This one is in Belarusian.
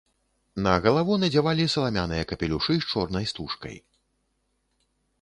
На галаву надзявалі саламяныя капелюшы з чорнай стужкай.